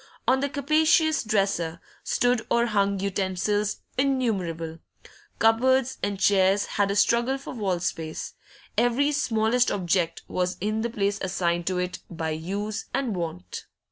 On the capacious dresser stood or hung utensils innumerable; cupboards and chairs had a struggle for wall space; every smallest object was in the place assigned to it by use and wont.